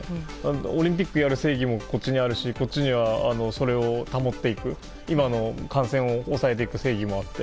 オリンピックやる正義もこっちにあるしこっちには、それを保っていく今の感染を抑えていく正義もあって。